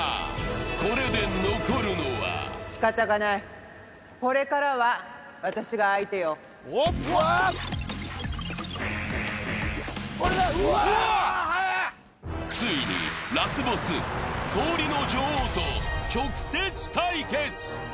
これで残るのはついにラスボス・氷の女王と直接対決！